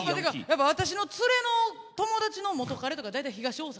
私の連れの友達の元カレとか大体東大阪。